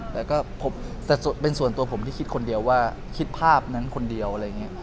แต่ก็พบแต่เป็นส่วนตัวผมที่คิดคนเดียวว่าคิดภาพนั้นคนเดียวอะไรอย่างนี้